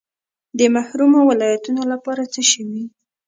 د محرومو ولایتونو لپاره څه شوي؟